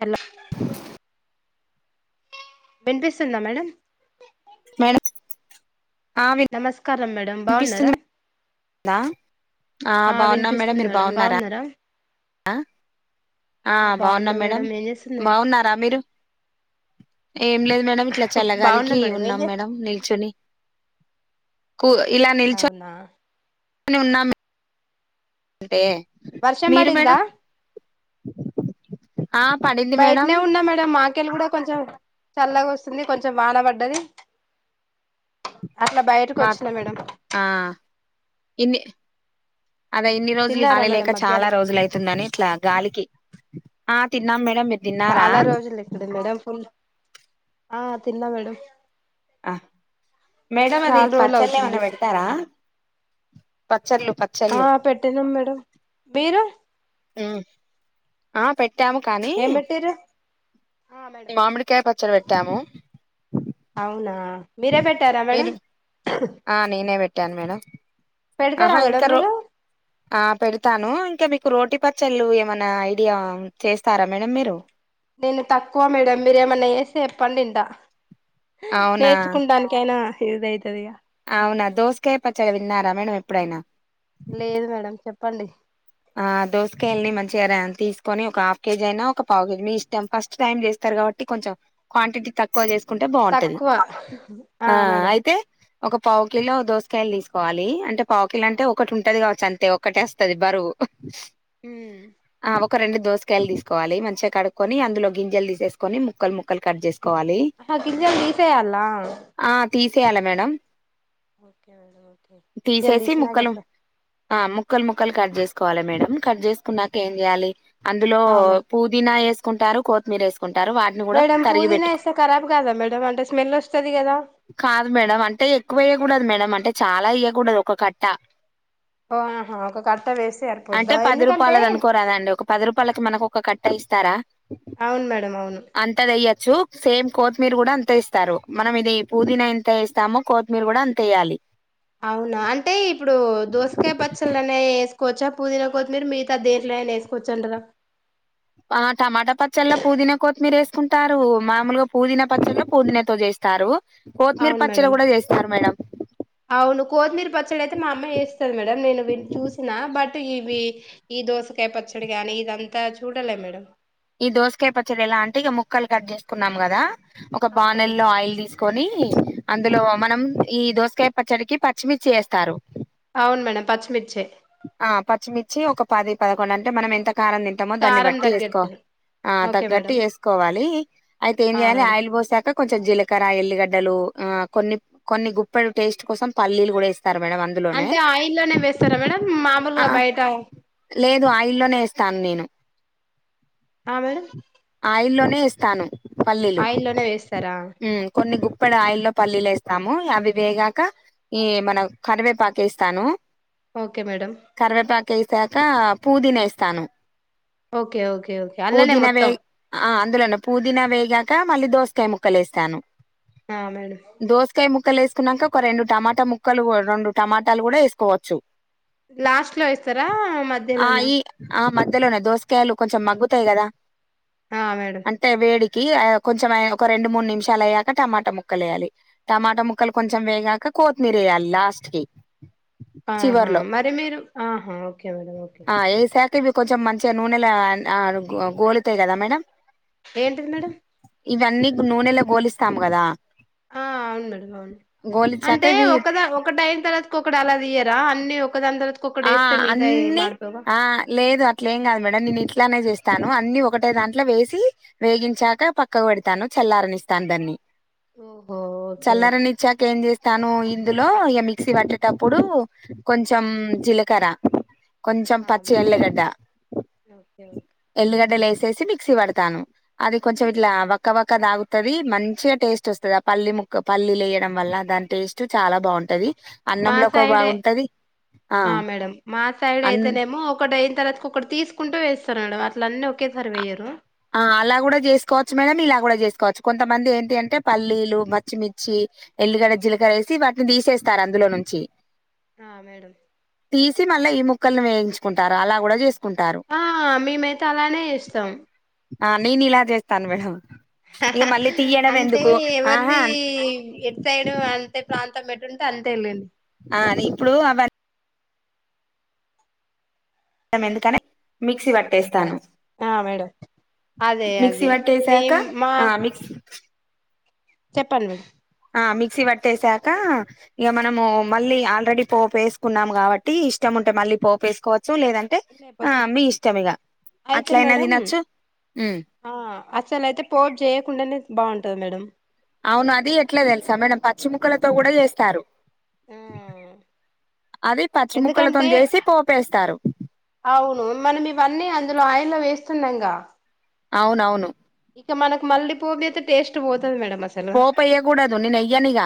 Hello వినిపిస్తుందా madam madam ఆ వి నమస్కం మేడం బాగున్నారా దా ఆ వినిపిస్తుంది మేడం బాగున్నారా ఆ బాగున్నాం బాగున్నా మేడం మేడంమ్ ఏం చేస్తున్నారు బాగున్నారా మీరు ఏం లేదు మేడం ఇట్ల బాగున్నా చల్లగాలికి ఏం ఉన్నాం చేస్త మేడం నిల్చొని కు ఇలా నిల్చొ అవునా అని ఉన్నాము అంటే వర్షం మీరు మేడం పడిందా [inaudible] పడింది మేడం బయటనే ఉన్నా మేడం మాకేళ్ళ కూడ కొంచెం చల్లగా వస్తుంది కొంచెం వాన పడ్డది అట్లా బయటకు వచ్చిన మేడం ఎన్ని అది ఇన్ని రోజులు తిన్నారా గాలి మేడం లేక చాలా మధ్యాహ్నం రోజులు అవుతుందని ఇట్లా గాలికి ఆ తిన్నాం మే చాలా రోజులు ఇక్కడ మేడం ఫుల్ ఆ తిన్నా మేడం ఆ మేడమ్ అది చాలా రోజులు పచ్చల్ అవుతుంది ఎమన్న పెడతారా పచ్చళ్ళు ఆ పచ్చళ్ళు పెట్టటినాం మేడం మీరు ఆ పె ట్టాము కానీ ఏం పెట్టిరు మామిడికాయ పచ్చడి పెట్టాము అవునా మీరే పెట్టారా మేడం [unintelligible] పెడతారా మేడం మీరు ఇంక మీకు రోటీ పచ్చళ్ళు ఏమైనా ఐడియా చేస్తారా మేడం మీరు నేను తక్కువ మేడం మీరయామన్నా యేస్తే చెప్పండి వింటా. అవునా నేర్చుకుండానికి అయినా యూస్ అవుతుందిగా అవునా దోసకాయ పచ్చడి విన్నారా మేడం ఎప్పుడైనా. పండి ఆ దోసకాయల్ని మంచిగా తీసుకొని ఒక హాఫ్ కేజీ అయినా ఒక పావు కేజీ మీ ఇష్టం ఫస్ట్ టైం చేస్తా. న్నారు కాబట్టి కొంచెం క్వాంటిటీ తక్కువ చేసుకుంటే బాగుంటది తక్కువ ఆ అయితే ఒక పావు కిలో దోసకాయలు తీసుకోవాలి అంటే పావు కల్ అంటే ఒకటి ఉంటది కావచ్చు అంతే ఒకటే వస్తది బరువు. ఉ ఆ ఒక రెండు దోసకాయలు తీసుకొవలి మంచిగా కడుక్కొని అందులో గింజలు తీసేకొని ముక్కలు ముక్కలు కట్ చేస్క్ ఆ గింజలు తీసేయల్లా తీసేయాల మేడం జల్ది తీసేసి సీనా ముక్కలు చొప్పు ఆ ముక్కలు ముక్కలు కట్ చేసుకోవాలి మేడమ్ కట్ చేసుకున్నాక ఏం చేయాలి. అందులో ఆ మేడం పుదీనా యేసుకుంటారు కొత్తిమీర వేసుకు మేడం పూదీనా యేస్తే కారబ్ కాదా మేడమ్ అంటే స్మెల్ వస్తది కదా. కాదు మేడమ్ అంటే ఎక్కువెయ్యకూడదు మేడం అంటే చాలా యేయ్యకూడదు ఒక కట్ట. ఉ హో ఒక కట్ అంటే పది రూపాయలది అనుకోరాదాండి ఒక పది రూపాయలకి మనకు ఒక కట్ట ఇస్తారా. అవును మేడం అవును అంత తెయొచ్చు సేమ్ కొత్తిమీర కూడా అంతే ఇస్తారు, మనం ఇది పుదీనా ఎంత యేస్తామో కొత్తిమీర కూడా అంతే వేయాలి. అవునా అంటే ఇప్పుడు దోసకాయ పచ్చలనే యేస్క్ కొచ్చా పూదిన కొత్తిమీరి మిగతా దేంట్లో వేసుకోచ్చు అంటారా. ఆ టమాటా పచ్చల్లా పుదీనా కొత్తిమీరు వేసుకుంటారు, మామూలుగా పుదీనా పచ్చళ్ళో పుదీనాతో చేస్తారు. కొత్తిమీర అవును పచ్చలు మేడం కూడా చేస్తారు మేడం అవును కొత్తిమీర పచ్చడి అయితే మా అమ్మే చేస్తంది మేడం నేను చూసిన బట్ ఇవి ఈ దోసకాయ పచ్చడి కానీ ఇదంతా చూడాల మేడం. ఈ దోసకాయ పచ్చడి ఎలా అంటే ఇక ముక్కలు కట్ చేసుకున్నాం కదా ఒక ఆ మేడం బానెల్లో ఆయిల్ తీసుకు కొని అందులో మనం ఈ దోసకాయ పచ్చడికి పచ్చిమిర్చి వేస్తారు. అవును మేడం పచ్చిమిర్చే ఆ పచ్చిమిర్చి ఒక పది పదకొండు అంటే మనం ఎంత కారం తింటమో దాన్ని కారం అవునండి. బట్టి వేస్కో. తగ్గట్టు ఆ ఓకే తగ్గట్టు మేడం వేసుకోవాలి అయితే ఏం ఆ చెయ్యాలి మేడం ఆయిల్ పోసాక కొంచెం జీలకర్ర ఎల్లిగడ్డలు అ కొన్ని కొన్ని గుప్పెలు టేస్ట్ కోసం పల్లీలు కూడా వేస్త్ అంటే ఆయిల్లోనే వేస్తారా మేడం ఆ మామూలుగా బయట లేదు ఆ ఆయిల్లోనే యేస్తాను నేను ఆ మేడం ఆయిల్లోనే యేస్తాను పల్లీలు ఆయిల్లోనే వేస్తారా ఉ కొన్ని గుప్ ఇప్పుడు ఆయిల్ల్లో పల్లీలు వేస్తాము అవి వేగాక ఈ మనం కరివేపాక యేస్తాను. ఓకే మేడం కేసాక పుదీనా యేస్తాను ఓకే ఓకే ఓకే అలానే మొత్తం ఆ అందులోనే పుదీనా వేగాక మళ్ళీ దోసకాయ ముక్కలేస్తాను. ఆ మేడం ముక్కలు వేసుకున్నాక ఒక రెండు టమాటా ముక్కలు రెండు టమాటాలు కూడా వేసుకోవచ్చు. లాస్ట్ లో యేస్తారా ఆ మధ్యలోనా ఈ ఆ మధ్యలోనే దోసకాయలు కొంచెం మగ్గుతాయి కదా ఆ మేడం అంటే వేడి కి అయ్ కొంచెం ఒక రెండు మూడు నిమిషాలు అయ్యాక టమాటా ముక్కలు వేయాలి, టమాటా ముక్కలు కొంచెం వేగాక కొత్తిమిరేయాలి లాస్ట్కి ఆహా మరి మీరు ఆహా ఓకే మేడం ఓకే ఓకే తే ఇవి కొంచెం మంచిగా నూనెలో అ గో గోలుతాయి కదా మేడం. ఏంటిది మేడం ఇవన్నీ నూనెలో గోలిస్తామ్ కదా ఆ అవును మేడం అవును గోలిచ్చాక అంటే ఇవి ఒకదా ఒకటి అయిన తర్వాత ఒకటి అలా తియ్యరా అన్ని ఒకదాని తర్వాతకి ఒకటి ఆ వేస్తే మిగతాయి అన్నిీ మాడిపోవా ఆ లేదు అట్లేమ్ కాదు మేడం నేను ఇట్లా ఇట్లానే చేస్తాను అన్ని ఒకటే దాంట్లో వేసి వేగించాక పక్కకు పెడతాను చల్లారనిస్తాను దాన్ని ఓహో ఓకే చల్లరని ఓకే ఇచ్చాక ఏం చేస్తాను ఇందులో ఇక మిక్సీ పట్టేటప్పుడు కొంచెం జీలకర్ర కొంచెం ఆ పచ్చి మేడం ఉల్లిగడ్డ ఓకే ఓకే ఎల్లుగడ్డ లే చ్చేసి మిక్సీ పెడతాను అది కొంచం ఇట్ల వక వక్క దాగుతాది మంచిగా టేస్ట్ వస్తది ఆ పల్లి పల్లీలు వేయడం వల్ల దాన్ టేస్ట్ చాల బాగుంటది మా అన్నంలో ఒక సైడే బాగుంటది ఆ మేడమ్ మా సైడ్ అన్ అయితేనేమో ఒకటి అయిన తర్వాతకు ఒకటి తీసుకుంటు వేస్తా మేడం అట్లన్నీ ఒకేసారి వెయ్యరు ఆ అలా కూడా చేసుకోవచ్చు మేడం ఇలా కూడా చేసుకోవచ్చు కొంతమంది ఏంటి అంటే పల్లీలు పచ్చిమిర్చి ఎల్లుగడ జీలకర్ర వేసి వాటిని తీసేస్తారు అందులో నుంచి ఆ మేడం తీసి మళ్ళ ఈ ముక్కలని వేయించుకుంటారు అలా కూడ చేస్ హా మేమైతే అలానే చేస్తాం ఆ నేన ఇలా చెస్తాన్ మేడం ఇక మళ్ళీ తీయడం అంటే ఎందుకు ఆహా ఎవర్ది ఎడ్ సైడ్ అంటే ప్రాంత టమేటుంటె అంత వెళ్ళండి అది ఇప్పుడు అవన్న ఎందుకని మిక్సీ పట్టేస్తాను ఆ మేడం అదే మిక్సీ అదే పట్టెసాక మేం మా ఆ మిక్స్ చెప్పండి ఆ మిక్సీ పట్టేసాక ఇక మనము మళ్ళీ ఆల్రెడీ పోపు వేసుకున్నాం కాబట్టి ఇష్టం ము ఉంటే మళ్ళీ పోపేసుకోవచ్చు లేదంటే ఆ లేకపోతే మీ ఇష్టం ఇగా అయితే మేడం ఆ అసలయితే పోటు చేయకుండానే బాగుంటుంది స్త మేడమ్ అవును అది ఎట్ల తెల్సా మేడం పచ్చి ముక్కలతో కూడా చేస్తారు ఆ అది పచ్చి ముక్కలతో ఎందుకంటే న్ చేసి పోపేస్తారు అవును మనం ఇవన్నీ అందులో ఆయిన్లో వేస్తున్నాంగ అవునవును ఇక మనకు మళ్ళీ పోపేస్తే టేస్ట్ పోద్ పో పెయ్యకూడదు నేనెయ్యనిగా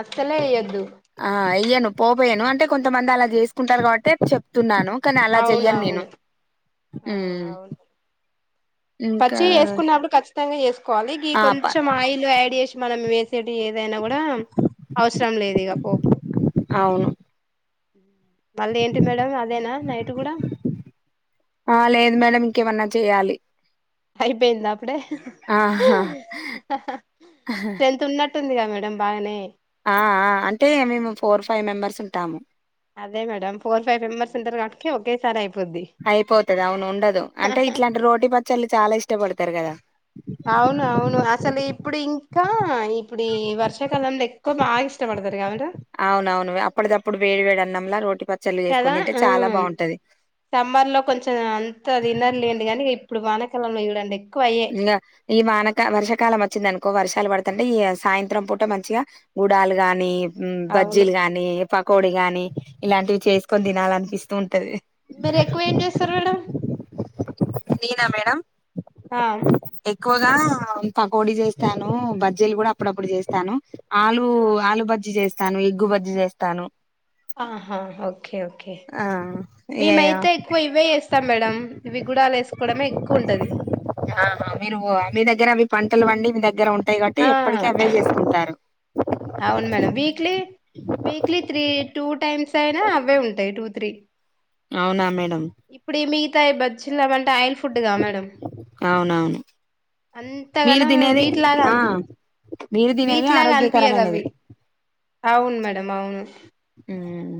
అస్సలే వేయొద్దు ఆ ఎయ్యను పోపేయను అంట అంటే కొంతమంది అలా చేసుకుంటారు కాబట్టే చెప్తున్నాను కాని అలా చెయ్యన్ నేను అవునవును ఆ అవును ఇంకా పచ్చి వేసుకున్నప్పుడు కఖచ్చితంగా వేసుకోవాలి గి ఆ ప కొంచెం ఆయిల్ యాడ్ చేసి మనం వేసేటి ఏదైన కూడ అవసరం లేదు ఇక పోపు అవును మళ్ళీ ఏంటి మేడం అదేన నైట్ కూడ చేయ్యాలి అయిపోయింద అప్పుడే ఆహా! తెంత్ ఉన్నట్ టందిగ మేడం బాగనే అ ఆ అంటే మేము ఫోర్ ఫైవ్ మెంబర్స్ ఉంటాము అదే మేడమ్ ఫోర్ ఫైవ్ మెబర్స్ ఉంటరు కాటికి ఒకే సారి అయిపో అయిపోతది అవును ఉండదు అంటే ఇట్లాంటి రోటీ పచ్చళ్ళు చాల ఇష్టపడతారు కదా అవును అవును అసలు ఇప్పుడు ఇంకా ఇప్పుడు ఈ వర్షాకాలం ద అవునవును అప్పటిదప్పుడు వేడి వేడి అన్నాం లా రోటి పచ్చళ్ళు కదా చేసుకొని తింటే ఆ చాలా బావుంటది. సమ్మర్లో కొంచం అంత అది తిన్నర్ లేం కాని ఇప్పుడు వానకాలంలో చూడండి ఎక్కువ అయ్యే ఇంగ ఈ వానక వర్షాకాలం వచ్చిందనుకో ఎక్కువ వర్షాలు పడుతంటే ఈ సాయంత్రం పూట మంచిగా గుడాలు గాని అవును బజ్జీలు గాని పకోడి గాని ఇలాంటివి చేసుకొని తినాలనిపిస్తు ఉన్ టది మీరు ఎక్కువ ఏం చేస్తారు మేడం నినా మేడం ఆ ఎక్కువగా పకోడి చేస్తాను బజ్జీలు కూడా అప్పుడప్పుడు చేస్తాను ఆలు ఆ అవును ఆలు మేడం బజ్జి చేస్తాను ఎగ్గు బజ్జి చేస్తాను ఆహా ఓకే ఓకే ఆ ఏ మేముైతే ఎక్కువ ఇవే వేస్తాం మేడం ఇవి గుడాలు వేసుకోవడమే ఎక్కువ ఉంటది ఆహా మీరు మీ దగ్గర అవి పంటలు పండి మీ దగ్గర ఉన్ టై కాబట్టి ఆ ఎప్పటికి అవ్వే చేసుకుంటారు అవును madam weekly weekly three two times అయినా అవ్వే ఉంటాయి టూ త్రీ అవునా మే ఇప్పుడు మిగతాయ్ బ చిన్నావంటే ఆయిల్ ఫుడ్గా మేడం అవునవును మీరు అంతగానం తినేది వీటిలాగా ఆ అని మీరు తినేది వీట్లాగా ఆరోగ్యకరమైనది అనిపియదవి అవును మేడం అవును ఉమ్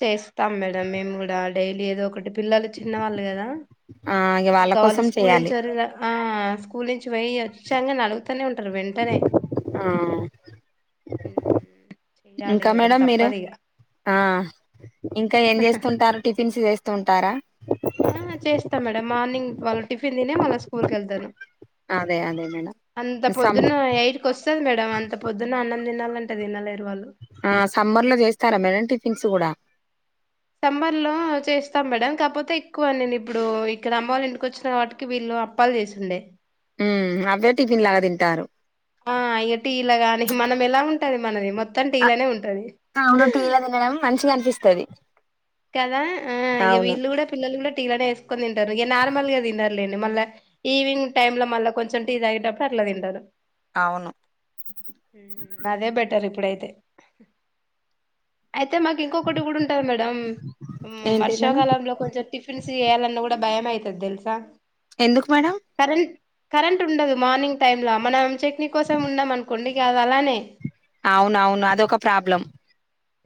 చేస్తాం మేడం మేము కూడా డైలీ ఏదో ఒకటి పిల్లలు చిన్న వాళ్ళు కదా ఆ ఇగ వాళ్ళ ఇంకా వాళ్ళు కోసం స్కూల్ చేయాలి నుంచి ఓర్ ఆ ఆ స్కూల్ నుంచి పోయి వచ్చంగానే అలుగు తనే ఉంటారు వెంటనే ఆ మ్ ఇంకా మేడం మీరు ఆ ఇంకా ఏం చేస్తుంటారు టిఫిన్స్ చేస్తుంటారా ఆ చేస్తా మేడం మార్నింగ్ వాళ్ళు టిఫిన్ తినే మళ్ళ స్కూల్కి వెళ్తాది అదే అదే మేడం అంత సం పొద్దున్న ఎయిట్కోస్తది మేడం అంత పొద్దున్న అన్నం తినాల అంటే తినలేర్ ఆ సమ్మర్ లో చేస్తారా మేడం టిఫిన్స్ కూడా సమ్మర్ లో చేస్తాం మేడం కాకపోతే ఎక్కువ నేను ఇప్పుడు ఇక్కడ అమ్మ వాళ ఇంటికి వచ్చిన వాటికి వీళ్ళు అప్పాలు చేసిండే ఉమ్ అవే టిఫిన్ లాగా తింటారు ఆ ఇగ టి లా గాని మనం ఎలా ఉంటది మనది మొ ఆ అవును టీ లా తినడం మంచిగనిపిస్తది కదా ఆ ఇగ వీళ్ళు కూడా పిల్లలు కూడా టీలనే ఎస్ కోని తింటారు ఇగ నార్మల్ గా తినరులేండి మళ్ళ ఈవినింగ్ టైమ్ లో మళ్ళా కొంచెం టీ తాగేటప్పుడు అట్లా తింటారు అవును మ్ అదే బెటర్ ఇప్పుడైతే అయితే మాకు ఇంకొకటి కూడా ఉంటది మేడం ఏంటి మేడం వర్షాకాలంలో కొంచెం టిఫిన్స్ చేయాలన్న కూడా భయం అయితది తెలుసా ఎందుకు మేడం కరెంట్ కరెంట్ ఉండదు మార్నింగ్ టైమ్ ల మనం చట్నీ కోసం ఉన్నం అనుకోండి ఇగ అది అలానే అవునవును అదొక ప్రాబ్లం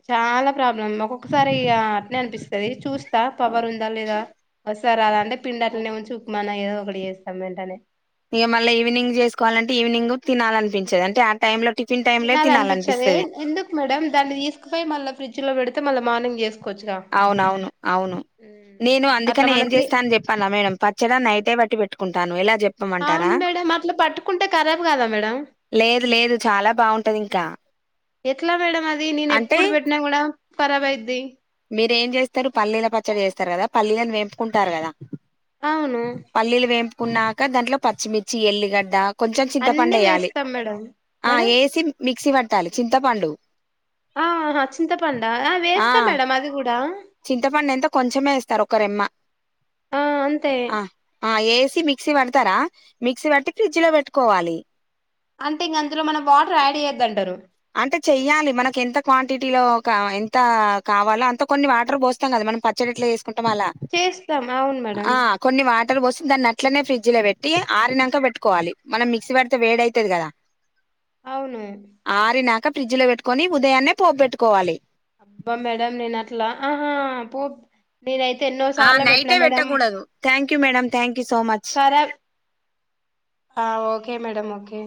చాలా ప్రాబ్లం ఒక్కొక్కసారి ఇగ అట్నే అనిపిస్ చూస్తా పవర్ ఉందా లేదా వస్తాదా రాదా అంటే పిండట్లునే ఉంచి ఉక్మ ఏదో ఒక చేస్థం వెంటనే ఇగ మళ్ళ ఈవినింగ్ చేసుకోవాలంటే ఈవినింగ్ తినాలనిపించది అంటే ఆ టైమ్ ల తినాలి అనిపించది ఎందుకు మేడమ్ దాన్ని తీసుకుపోయి మళ్ళీ ఫ్రిడ్జ్ లో పెడితే మళ్ళీ మానింగ్ చేస్ అవునవును అవును నేను అట్లా అందుకనే మన ఏం త్రీ చేస్తానని చెప్పను మేడం పచ్చడా నైటే బట్టి పెట్టుకుంటాను ఎలా చెప్పమంటారా అవును మేడం అట్లా పట్టుకుంటే కరాబ్ కదా మేడం లేదు లేదు చాలా బాగుంటది ఇంకా ఎట్లా మేడం అది నేను అంటే ఎప్పుడు పెట్టినా కూడా పరాబైద్ది మీరేం చేస్తారు పల్లీల పచ్చడి చేస్తారు కదా పల్లీలను వెంపుకుంటారు కదా అవును పల్లీలు వేంపుకున్నాక దాంట్లో పచ్చిమిర్చి ఎల్లిగడ్డా కొంచెం చింతపండు అన్ని వేయాలి వేస్తాం మేడం ఆ మేడం వేసి మిక్సీ పట్టాలి చింతపండు ఆహ చింతపడా ఆ వేస్తా మేడం అది కూడా చింతపండు ఎంత కొంచమే వేస్తారు ఒక రెమ్మ ఆ అంతే ఆ ఏ మిక్సీ పడతారా మిక్సీ పట్టి ఫ్రిడ్జ్ లో పెట్టుకోవాలి అంటే ఇంకా అందులో మనం వాటర్ యాడ్ చెయ్యొద్ద అంటారు దింట్లో ఒక ఆమ ఎంత కావాలో అంత కొన్ని వాటర్ పోస్తాం కదా మన పచ్చడి ఎట్లా చెస్ కుంటామలా చేస్తాం అవును మేడం ఆ కొన్ని వ టర్ పోసి దాన్ని అట్లనే ఫ్రిడ్జ్ లో పెట్టి ఆరినాక పెట్టుకోవాలి మనం మిక్సీ పడితే వేడి అవుతుది కదా అవును ఆరినాక ఫ్రిడ్జ్ లో పెట్టుకొని ఉదయాన్నే పోపు పెట్టుకోవాలి అబ్బా మేడం నట్లా ఆహా పో నేనైతే ఎన్నో ఆ సార్లు పెట్టినా నైటే మేడం పెట్టకూడదు thank you madam thank you so much సరే ఆ ఓకే మేడ ఓకే